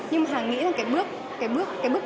nhưng mà hàng nghĩ là cái bước